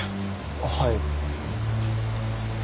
はい。